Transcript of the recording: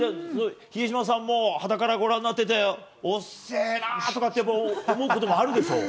比江島さんもはたからご覧になってておっせえなとか思うこともあるでしょう？